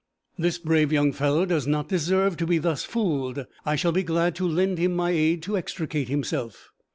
'This brave young fellow does not deserve to be thus fooled. I shall be glad to lend him my aid to extricate himself.'